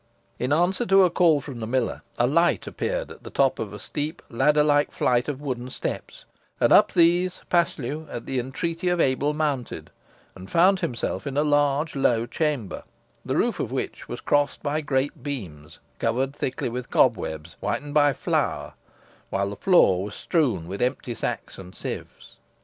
In answer to a call from the miller, a light appeared at the top of a steep, ladder like flight of wooden steps, and up these Paslew, at the entreaty of Abel, mounted, and found himself in a large, low chamber, the roof of which was crossed by great beams, covered thickly with cobwebs, whitened by flour, while the floor was strewn with empty sacks and sieves.